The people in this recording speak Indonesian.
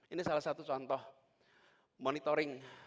ini salah satu contoh monitoring